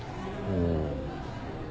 うん。